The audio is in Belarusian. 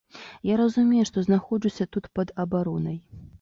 Я разумею, што знаходжуся тут пад абаронай.